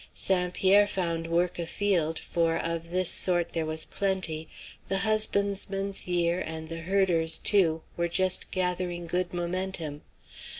St. Pierre found work afield, for of this sort there was plenty; the husbandmen's year, and the herders' too, were just gathering good momentum.